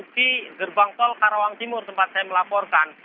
di gerbang tol karawang timur tempat saya melaporkan